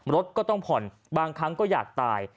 รถก็ต้องผ่อนบางครั้งก็อยากตาย